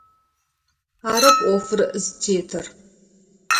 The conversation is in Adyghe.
Арэп ӏофыр зытетыр.